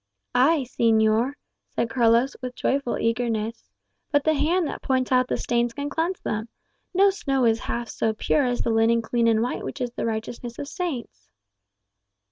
"Ay, señor," said Carlos, wild joyful eagerness; "but the Hand that points out the stains can cleanse them. No snow is half so pure as the linen clean and white which is the righteousness of saints."